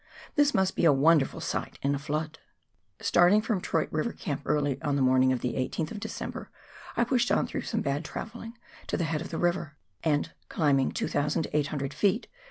This must be a wonderful sight in a flood. Starting from Troyte River Camp early on the morning of the 18th of December, I pushed on through some bad travelling to the head of the river and, climbing 2,800 ft.